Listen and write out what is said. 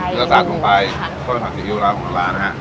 ใช่แล้วจัดลงไปค่ะต้นผัดซีอิ๊วร้านของร้านฮะ